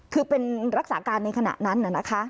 คือเป็นรักษาการในขณะนั้นนะคะ